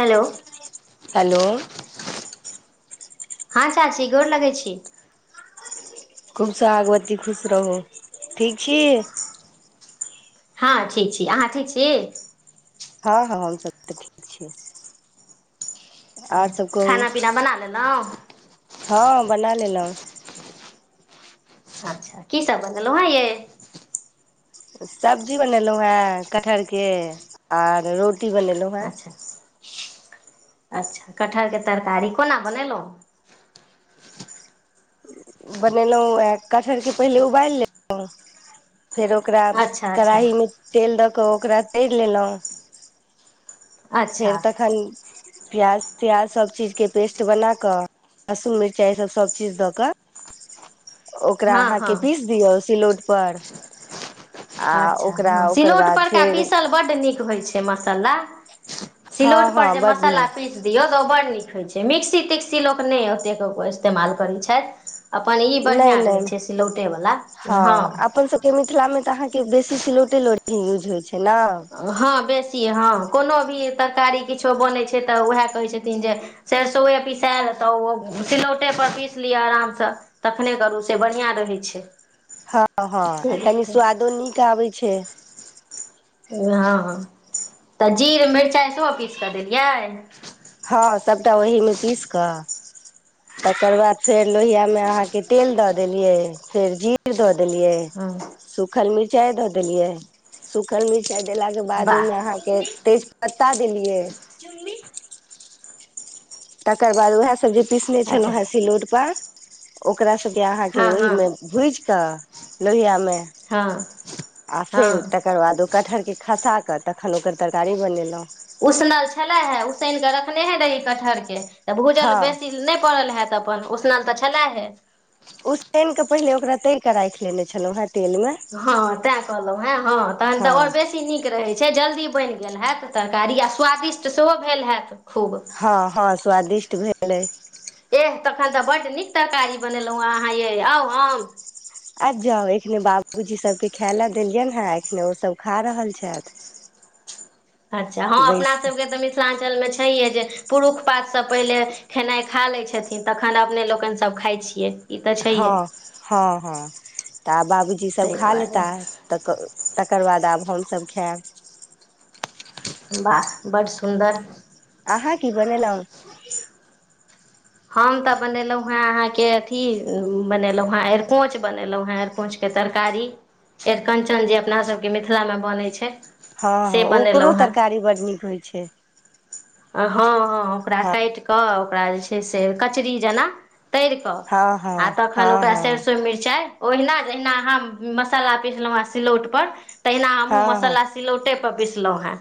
hello hello हँ चाची गोर लगै छी खूबसँ भागवत्ती खुश रहू ठीक छी हँ ठीक छी अहाँ ठीक छी हँ हँ हमसभ तऽ ठीक छियै खाना पीना बनाालेलो ने हँ बना लेलहुँ अच्छा कीसभ बनले हँं ये सब्जी बनेलहुँ हेँ कटहरके आर रोटी रोटी बनेलहुँ हेँ अच्छा अच्छा कटहरके तरकारी कोना बनेलहुँ बनेलहुँ उएह कठहरके पहिले उबालि लेलहुँ फेर ओकरा अच्छा अच्छा कड़ाहीमे तेल दऽ कऽ ओकरा तरि लेलहुँ फेर अच्छा तऽखन प्याज त्याज सभचीजके पेस्ट बना कऽ लहसुन मिर्चाइसभ सभचीज दऽ कऽ [inaudible] ओकरा हँ हँ अहाँके पीस दियौ सिलौटपर आ अच्छा ओकरा हँ ओकर सिलौट बाद परका फेर पीसल बड्ड नीक होइत छै मसाला सिलौट हँ हँ पर जे बड मसाला नीक पीस दियौ तऽ ओ बढ़नीक होइ छै मिक्सी तिक्सी लोक नहि ओतेक इस्तेमाल करै छथि अपन ई नहि बढ़िआँ नहि रहै नहि छै सिलौटेवला हँ अपन सबके मिथिलामे तऽ अहाँके बेसी सिलोट ल यूज होइ छै ने हँ बेसी हँ कोनो भी तरकारी किछो बनैत छै तऽ उएह कहै छथिन जे सरिसोए पिसायल तऽ ओ सिलौटेपर पीस लिअ आरामसँ तखने करू से बढ़िआँ रहै छै हँ हँ कनी स्वादो नीक आबैत छै हँ तऽ जीर मिर्चाइ सेहो पीस कऽ देलियै हँ सभटा ओहीमे पीस कऽ तकर बाद फेर लोहिया मे अहाँके तेल दऽ देलियै फेर जीर दऽ देल िय हँ सुखल मिर्चइ द देलियै सुखल मिर्चइ ा देलाके बाद वाह ओहिमे अहाँके तेज पत्ता देलियै तकर बाद उएह सब जे पीसने अच्छा छलहुँ हेँ सिलौट पर ओकरा अहाॅं हँ ओहि हँ मे भुज क लोहिया मे हँ आ फेर हँ तकर बाद ओ कटहर के खसा तऽ तखन ओकर तरकारी बनेलहुॅँ उसनल छले हे उसैन कऽ रखने हे रही कटहर के तऽ भूजल हँ बेसी नहि पड़ल हए तऽ अपन उसनल तऽ छलै हे उसानेऽ पहिले ओकरा तरििकऽ राखि लेने छलहुँ हे हँ तैं कहलहुँ हँ हँ तहन तऽ आओर बेसी नीक रहै छै छै जल्दी बनि गेल होयैत तरकारी आ स्वादिष्ट सेहो भेल हैत खूब हँ हँ स्वादिष्ट भेलै एह तखन तऽ बड्ड नीक तरकारी बनेलहुँ अहाँ यै आउ आउं आइब जाउ एखने बाबूजी सबके खाय ले देलियनि हे एखने ओ सब खा रहल छथि अच्छा हँ अपना बैस सब कऽ मिथिलाञलमे छहे जे पुरुष पातसँ पहिले खेनाइ खा लै छथिन तखन अपने लोकनि सब खाइ छियै ई तऽ छैहे हँ हँ हँ तऽ आ बाबूजी सब ताहि खा दुआरे लेता तऽ तकर बाद आब हमसभ खायब बाह बड्ड सुन्दर अहाँ की बनेलहुँ हम तऽ बनेलहुँ हेँ अहाँके अथी बनेलहुँ हेँ अरिकोच बनेलहुँ हेँ अरिकोच के के तरकारी अरिकंचन जे अपना सबके मिथिला मे बनै छै हँ हँ से ओकरो बनेलहुँ हेँ तरकारी बड् नीक होइ छै हँ हँ ओकरा हँ काटि कऽ ओकरा जे छै से कचरी जेना तैर कऽ हँ हँ आ तखन हँ ओकरा हँ सरिसो मिरचाइ ओहिना जहिना हम मसाला पिसलहुँ हेँ सिलौट पर तहिना हमहूँ हँ हँ मसाला सिलौटे पिसलहुं हेँ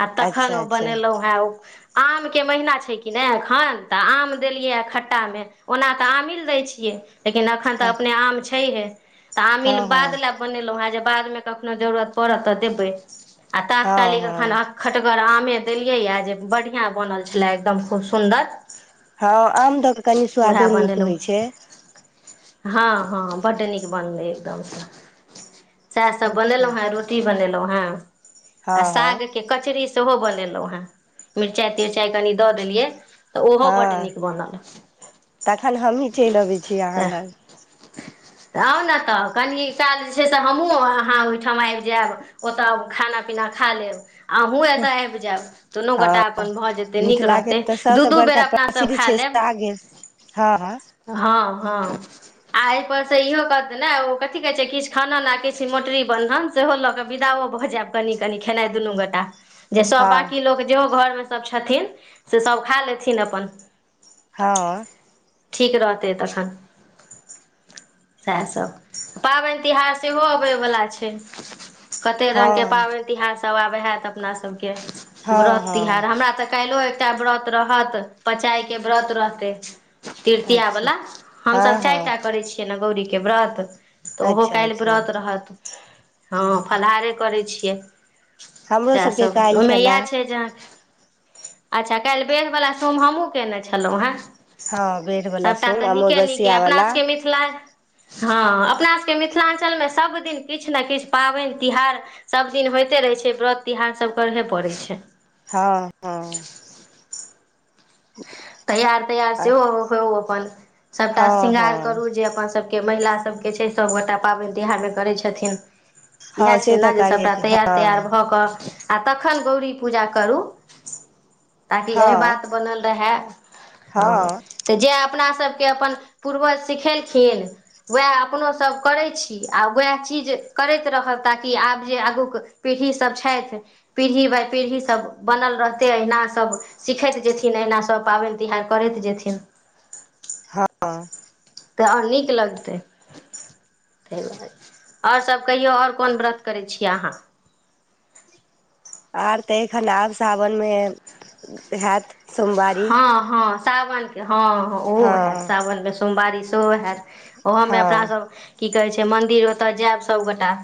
आ तखन अच्छा ओ अच्छा बनेलहुं हेँ ओ आम के महीना छै कि ने एखन तऽ आम देलियै खट्टा मे ओना तऽ आमल दै छै छिये एखन त हँ अपने आम छैहे त आमिल हँ हँ बाद ले बनेलौ जे बाद में कखनो जरुरत परत तै देबै आ हँ तातकाली हँ खटगर आमे देलियै या जे बढ़िया बनल छलै एकदम खूब सुंन्दर हँ आम दऽ क कनि स्वादो नीक बनेलहुँ होइ छै हँ हँ बड्ड नीक बनलै एकदमसँ सएह सब अच्छा बनेलों हे रोटी बनेलों हें आ हँ हँ साग के कचड़ी सेहो बन देलौ हँ मिरचाइ तिरचाइ कनि दऽ देलियै तऽ ओहो बड हँ नीक बनल तखन हमहीँ चलि अबै छी अहाँ लग त आउ ने तऽ कनी काल जे छै से हमहूँ अहाँ ओहिठाम आबि जायब ओतय खाना पीना खा लेब अहूँ एतय आबि जायब दुनू गोटा हँ अपन भऽ जेतै नीक मिथिलाके रहतै तऽ दू सभसँ दू बेर बड़का अपनासभ प्रसिद्ध खा छै लेब सागे हँ ह हँ हँ आ एहि पर से इहो कहत ने ओ कथी कहै छै किछु खानन लेल किछ मोटरी ब लऽ क बिदा भऽ जायब कनि कनी खेनाइ दुनू गोटा जे सब हँ लोक जेहो घरमे सभ छथिन से सभ खा लेथिन अपन हँ ठीक रहतै तखन सएहसभ पाबनि तिहार सेहो अबयवला छै कतेक रङ्गके हँ पाबनि तिहारसभ आबै हैत अपना सभके हँ व्रत हँ तिहार हमरा तऽ काल्हिओ एकटा व्रत रहत पचायके व्रत रहतै अच्छा तृतीयावला हमसभ हँ चारि हँ टा करै छियै ने गौरीके व्रत तऽ ओहो अच्छा काल्हि अच्छा व्रत रहत हँ फलाहारे करै छियै हमरो इएह सबके सब काल्हि ओहिमे छलए इएह छै अच्छा काल्हि बेग बला सोम हमहुँ केने छलहुँ हेँ हँ बेर वला सभटा सोम तऽ नीके नीके अमावस्या अपना वला सभके मिथिला हँ अपना सभके मिथिलाञ्चलमे सभ दिन किछु ने किछु पाबनि तिहार सभदिन होइत रहै छै व्रत तिहार सब करहे पड़े छै हँ हँ तैयार तैयार सेहो होउ अपन सभटा हँ श्रृंगार हँ करू जे अपन सभके के महिला सभके छै सभगोटा पाबनि तिहारमे करै छथिन इएह हँ से छै तऽ ने जे करै सभटा छै तैयार तैयार हँ भऽ कऽ आओर तखन गौरी पूजा करू ताकि अहय हँ बात बनल रहै हँ त जे अपना अपनासबके अपन पूर्वज सिखेलखिन वएह अपनो सब करै छी आ वएह चीज करैत रहब ताकि आब जे आगूके पीढ़ीसभ छथि पीढ़ी बाइ पीढ़ीसभ बनल रहतै अहिना सब सिखैत जेथिन अहिना सब पाबनि तिहार करैत जेथिन हँ तऽ आओर नीक लगतै ताहिआरे आओर सभ कहियौ आओर कोन व्रत करै छियै अहाँ [inaudible] आर तऽ एखन आब सावनमे हैत सोमवारी हँ हँ सावनके हँ हँ ओहो हैत साावन मे सोमवारी त हए ओहोमे अपना हँ सभ की कहै छै मन्दिर ओतय जायब सभगोटाए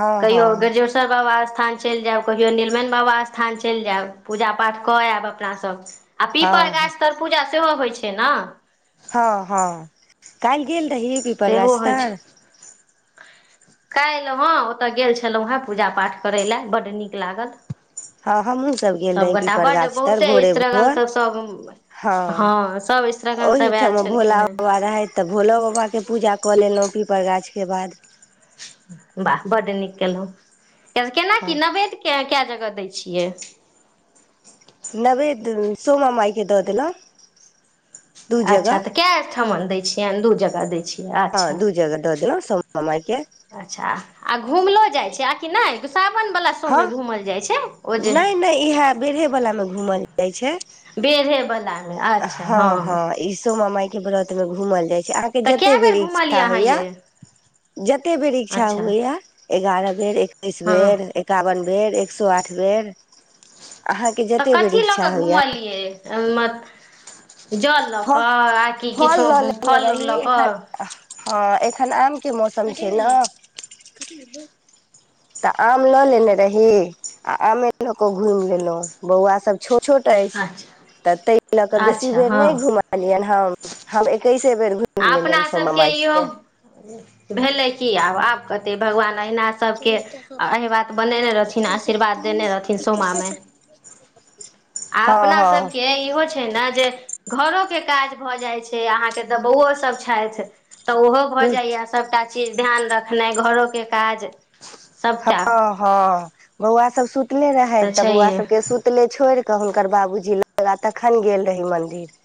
हँ कहियो हँ ग्रेजोशर बाबा स्थान चलि जायब कहियो नीलमण बाबा स्थान चलि जायब पूजा पाठ कऽ आयब अपनासभ आ हँ पीपर गाछ तर पूजा सेहो होइ छै ने हँ हँ कइल गेल रही पिपर सेहो गाछ होइ छै तर काल्हि हेँ ओतय गेल छलउ हेँ पूजा पाठ करय लेलए बड्ड नीक लागल हँ हमहु सभ गेल रही सभगोटा पीपर बड्ड गाछ तर बहुते भोरे भोर स्त्रगणसभ सभ हँ सभ स्त्रगणसभ आयल ओहिठम छलखिन भोला बाबा हेँ रहै तऽ भोला बाबाक के पूजा कऽ लेलहुँ पीपर गाछके बाद बाह बड नीक केलउ केना की हँ नैवेद्य केँ जग द दइ छियै नवेद सोमामाइके द देलउ अच्छा तऽ कए ठमन दै छियनि दू जगह दै छियनि हँ दू जग द देलौ सोमामाइके अच्छा आ घुमलो जाइ छै आकि नइ सावन वला सोम मे घूमल जाइ छै ओ जे इहै बेरहे वला में घूमल जाय छै बेरहे बला मे अच्छा हँ हँ ई सोमामाय के व्रत में घूमल जाय अहाँके तऽ जतै कए बेर घुमलियै इच्छा अहाँ होइया ये जते बेर इच्छा अच्छा हुइए एगारह बेर एकैस हँ बेर एकावन बेर बेर एकसौ आठ बेर अहा के जते बेर इच्छा होइया एल्म्प जल लऽ फ कऽ आ कि किछो फल लऽ लेने फल रही लऽ एखन कऽ हँ एखन आमके मौसम छै ने कथी भेलौ तऽ आम लऽ लेने रही आ आमे लऽ कऽ घुमि लेलहु बौआ सब छोट छोट अइछ अच्छा त तइ लऽ बेसी अच्छा बेर हँ नइ घुमलियन हम हम ईकैस आपना सभके इहो भेलै की आब आब कते भगवान अहिना सभके आ एहि बात बनेने रहथिन आशीर्वाद देने रहथिन सोमामाई आ हँ अपना हँ सभके इहो छै ने जे घरो के काज भऽ जाइ छै अहाँके तऽ बौओ सभ छथि तऽ ओहो भऽ जाइया सभटा चीज ध्यान रखनाइ घरोके काज सभटा हँ हँ बौआ सब सुतले रहै तऽ बौआ सबके सुतले छोइर तऽ हुनकर बाबूजी ला तखन गेल रही मन्दिर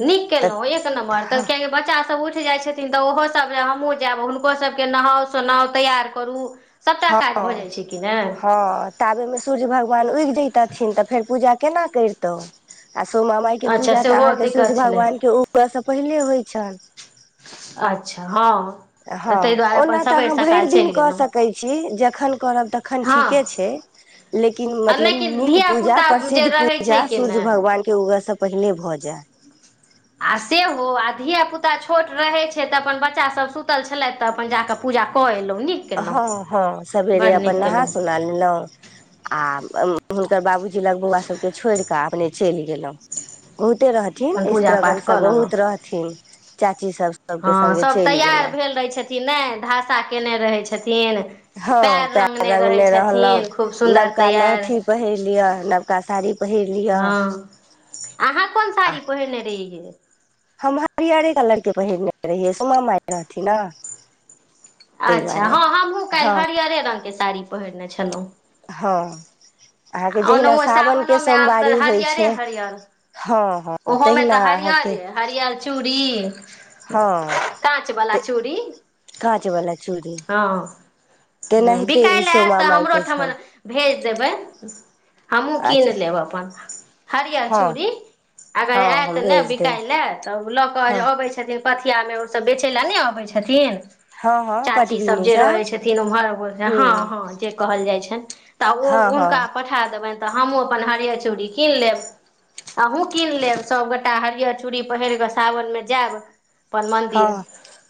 नीक तऽ केलउ एक नम्बर तऽ कियकि बच्चासब उठ जाइ छथिन तऽ ओहोसभ हमहूँ जायब हुनको सभके नहाउ सोनाउ तैयार करू सभटा हँ काज भऽ जाइ छै कि ने हँ ताबयमे सूर्य भगबान उगि जैतथिन तऽ फेर पूजा केना करितउ आ सोामा माइके अच्छा पूजा तऽ सेहो अहाँके सूर्य दिक्कत छलै भगवान के उगा स पहिले होइत छनि अच्छा हँ तऽ हँ ताहि दुआरे अपन ओना तऽ सबेर अहाँ भरि सकाल दिन चलि कऽ गेलहुँ सकैत छी जखन करब तखन हँ ठीके छै लेकिन आ नहि मतलब कि नीक पूजा धियापुता प्रसिद्ध जे रहै छै पूजा कि सूर्य ने भगवान के उगह सब पहिने भऽ जाय आ सेहो आ धियापुता छोट रहैत छै तऽ अपन बच्चा सभ सुतल छलथि तऽ अपन जा कऽ पूछ जाक एलो हँ हँ सवेरे अपन नहा केलहुँ सुना लेलहुँ आ हुनकर बाबूजी लग बौआ सभ के छोड़ि कऽ अपने चलि गेलहुँ बहुत े रहथिन अपन पूजा स्त्रागन पाठ कऽ लेलहुँ बहुत रहथिन चाची सभ सभके हँ सङ्गे सभ चलि तैयार गेलहुँ भेल रहैत छथिन नहि धाषा केने रहैत हँ पैर रहै रंगने रहलहुँ छथिन खूब सुन्दर नवका तैयार लहठी पहिर लिय आ नवका ओतका साड़ी पहिर लिअ हँ अहाँ कोन आ साड़ी पहिने रहियै हम हरियरे कलरके पहिरने रहियै सुमइ रहथिन ने ताहि अच्छा दुआरे हँ हमहूँ काल्हि हँ हरियरे रङंगग के साड़ी पहिरने छलहुँ हँ अहाँके आ जहिना ओना सावन सावनो के में आब तऽ सोमवारी होइ हरियरे छै हरियर हँ हँ ओहोमे तऽ तहिना अहाँके हरिअरे हरिअर चूड़ी हँ काँच वला चूड़ी काँच वाला चूड़ी हँ ह तेनाहिते ई बिकायल आयत सोमा तऽ माय हमरो के ठमा छनि भेज देबै हमूँ की ने अच्छा लेब अपन हरिअर हँ चूड़ी अगर हँ आयत हम ने भेज देब बिकाइ लए तऽ ओ लऽ कऽ जे हँ अबै छथिन पथिया आमे ओर सब बेचै लए नहि अबै छथिन हँ हँ चाची सब पटबीनी जे रहै छथिन उम्हर हँ हूँ हँ जे कहल जाइ छनि तऽ ओ हँ हुनका हँ पठाए देबनि तऽ हमहूँ अपन हरिअर चूड़ी कीन लेब अहूँ कीन लेब सभगोटा हरियर चूड़ी पहिर कऽ सावन में जायब अपन मन्दिर हँ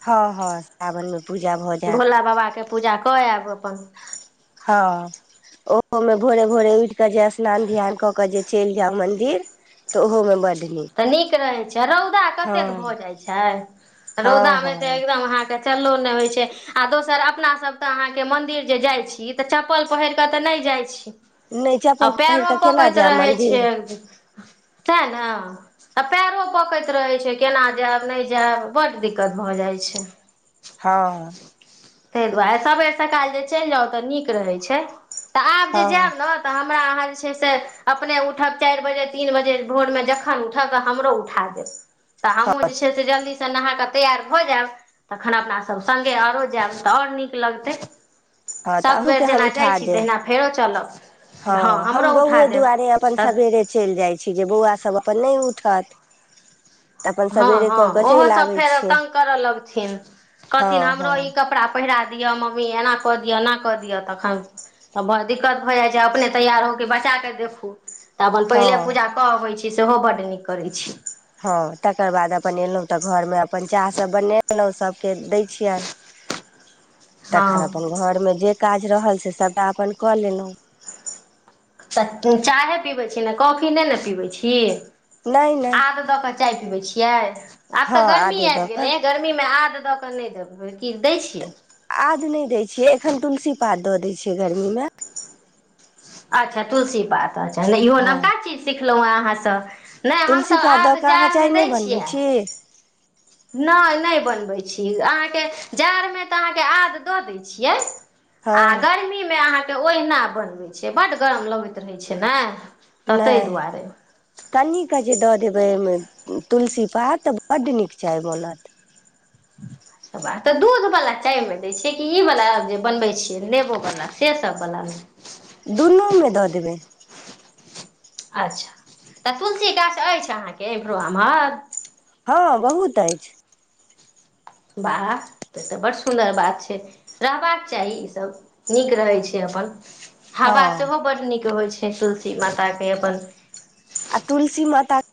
हँ हँ सावन मे पूजा भ भोला बाबा के पूजा कऽ आयब अपन हँ ओहोमे भोरे भोरे उठि कऽ जे स्नान ध्यान कऽ कऽ जे चलि जाउ मन्दिर तऽ ओहोमे बन तऽ नीक रहैत छै रौदा कतेक भऽ जाइत छै हँ रौदा में तऽ हँ एकदम अहाँके चलो नहि होइ छै आ दोसर अपना सब त अहाँ के मंदिर जे जाइ छी तऽ चप्पल पहिर के तऽ नहि नहि आ चप्पल पहिर पैरो कऽ केना पकैत जायब रहै छै मन्दिर सेह ने आ पैरो पकैत रहैत छै केना जायब नहि जायब बड्ड दिक्कत भऽ जाइत छै हँ ताहि दुआरे सबेर सकाल जे चलि जाउ तऽ नीक रहैत छै तऽ आब जे हँ जायब ने तऽ हमरा अहाँ जे छै से अपने उठब चारि बजे तीन बजे भोर में जखन उठब हमरो उठा देब तऽ हँ हमहूँ जे छै से जल्दी से नहा तैयार भऽ जायब तखन अपना सभ सघेआरो जायब तऽ आ ओर नीक लगतै हँ तऽ सभ बेर अहूँके हम जेना जाइ उठा छी देब तहिना फेरो चलब हँ हम हमरो उठा बौए देब दुआरे अपन तऽ सबेरे चलि जाइ छी जे बौआ सब अपन नहि उठात हँ हँ ओहो सब फेर तंग करऽ लगथिन हँ कहथिन हमरो हँ ई कपड़ा पहिरा य मम्मी एना कऽ दिय एना कऽ दियअ तखन त दिक्कत भऽ जाइ छै अपने तैयार होके बच्चा के देखू तऽ अपन पहिले हँ पूजा कऽ अबै छी सेहो बड्ड नीक करै छी हँ तकर बाद अपन एलहुँं तऽ घरमे अपन चाह सभ बनेलहुँ सभके दै छियनि तखन हँ अपन घरमे जे काज रहल से सभटा अपन कऽ लेलहुँ तऽ चाहे पीबैत छी ने कॉफी नहि ने पिबैत छी नहि नहि आद दऽ कऽ चाय पीबै छियै आब हँ तऽ गर्मी आदे दऽ आबि कऽ गेलै गर्मी मे आ दऽ क नहि देब की दै छियै आद नहि दै छियै एखन तुलसी पात दऽ दै छियै गर्मीमे अच्छा तुलसी पात अच्छा नहि इहो हँ नवका चीज सिखलहुँ हेँ अहाँसँ नहि तुलसी हमसभ पात दऽ आद कऽ अहाँ चाय जाड़मे नहि दै बनबै छियै छी नहि नहि बनबैत छी अहाँके जाड़मे तऽ अहाँके आद दऽ दैत छियै हँ आ गर्मीमे अहाँके ओहिना बनबैत छै बड्ड गरम लगैत रहैत छै ने तऽ ताहि नहि दुआरे कनि कह जे दऽ देबै ओहिमे तुलसी पात तऽ बड्ड नीक चाय बनत ह सभ तऽ दूधबला चायमे दै छियै कि ई बला जे बनबै छियै नेेबोबला से सभबलामे दुनूमे दऽ देबै अच्छा तऽ तुलसी गाछ अछि अहाँके एम्हरो आम्हर हँ बहुत अछि वाह त तऽ बड़ सुन्दर बात छै रहबाक चाही ई सभ नीक रहै छै हँ पल--हवा सेहो बड़ नीक होइ छै तुलसी ई माता के अपन आ तुलसी माता